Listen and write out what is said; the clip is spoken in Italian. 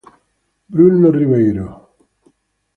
Bruno Ribeiro